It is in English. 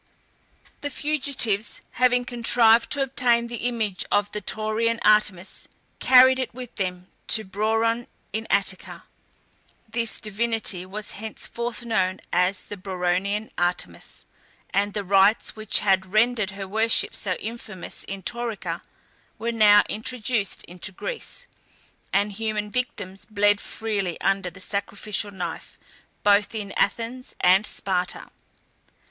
The fugitives, having contrived to obtain the image of the Taurian Artemis, carried it with them to Brauron in Attica. This divinity was henceforth known as the Brauronian Artemis, and the rites which had rendered her worship so infamous in Taurica were now introduced into Greece, and human victims bled freely under the sacrificial knife, both in Athens and Sparta.